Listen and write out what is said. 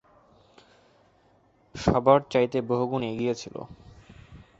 সবার চাইতে বহুগুণ এগিয়ে ছিল।